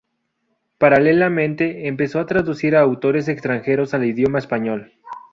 Paralelamente, empezó a traducir a autores extranjeros al idioma español.